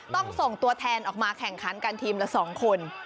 ต้องส่งตัวแทนออกมาแข่งขันกันทีมละ๒คน